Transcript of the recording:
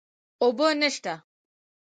اوبه نشته